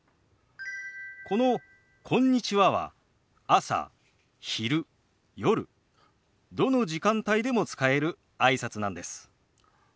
この「こんにちは」は朝昼夜どの時間帯でも使えるあいさつなんです。